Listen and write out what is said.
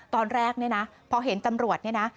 ตอนแรกเนี่ยนะพอเห็นตำรวจเนี่ยนะ